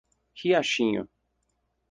Riachinho